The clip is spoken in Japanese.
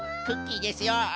クッキーですよ。